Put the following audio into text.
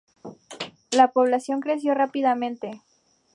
La población creció rápidamente.